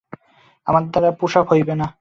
আমার দ্বারা পুশ-আপ হবে না।